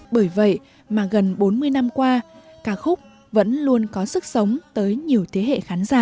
bởi vậy mà gần bốn mươi năm qua ca khúc vẫn luôn có sức sống tới nhiều thế hệ khán giả